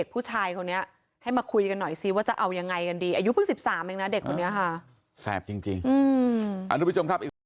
รู้ที่มันติดไว้นะครับแล้วเข้าไปนอนในบ้าน